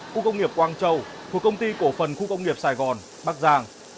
khu công nghiệp quang châu thuộc công ty cổ phần khu công nghiệp sài gòn bắc giang